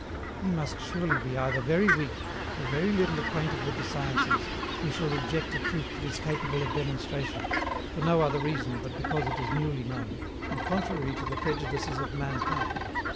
He must surely be either very weak, or very little acquainted with the sciences, who shall reject a truth that is capable of demonstration, for no other reason but because it is newly known, and contrary to the prejudices of mankind.